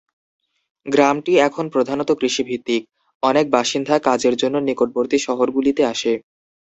গ্রামটি এখন প্রধানত কৃষিভিত্তিক; অনেক বাসিন্দা কাজের জন্য নিকটবর্তী শহরগুলিতে আসে।